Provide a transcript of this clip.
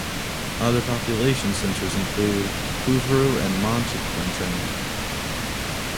Other population centers include: Couvreux and Montquintin.